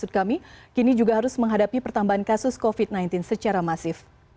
maksud kami kini juga harus menghadapi pertambahan kasus covid sembilan belas secara masif